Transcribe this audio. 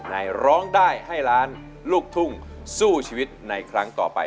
ร้องได้ให้ล้านลูกทุ่งสู้ชีวิตในครั้งต่อไป